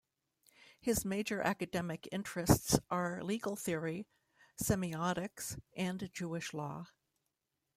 His major academic interests are legal theory, semiotics, and Jewish law.